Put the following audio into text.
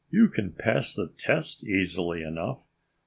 "You can pass the test easily enough."